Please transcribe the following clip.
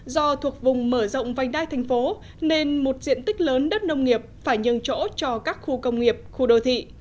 do thuộc vùng mở rộng vành đai thành phố nên một diện tích lớn đất nông nghiệp phải nhường chỗ cho các khu công nghiệp khu đô thị